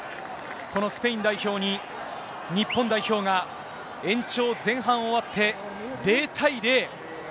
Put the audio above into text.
このスペイン代表に、日本代表が延長前半終わって、０対０。